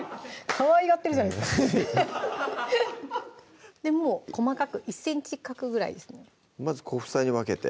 かわいがってるじゃないですかでもう細かく１ｃｍ角ぐらいですねまず小房に分けて？